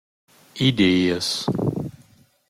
«Ideas».